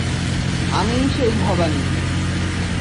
আমিই সেই ভবানী।